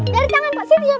dari tangan positi vahp